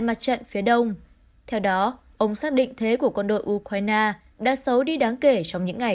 mặt trận phía đông theo đó ông xác định thế của quân đội ukraine đã xấu đi đáng kể trong những ngày